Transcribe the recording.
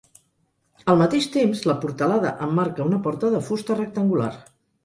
Al mateix temps, la portalada emmarca una porta de fusta rectangular.